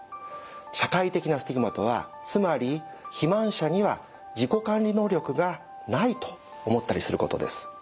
社会的なスティグマとはつまり肥満者には自己管理能力がないと思ったりすることです。